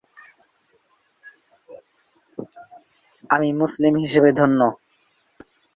Doctor Naresh Chandra Deb Barma কেন্দ্রের প্রধান।